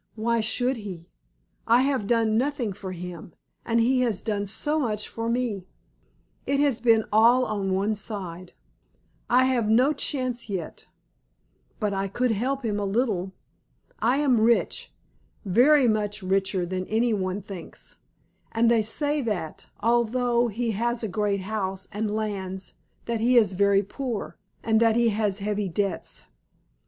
"Why should he? I have done nothing for him, and he has done so much for me. It has been all on one side. I have had no chance yet; but I could help him a little. I am rich, very much richer than any one thinks, and they say that, although he has a great house and lands, that he is very poor, and that he has heavy debts.